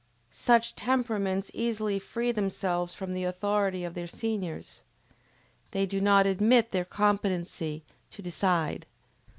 Such temperaments easily free themselves from the authority of their seniors. They do not admit their competency to decide.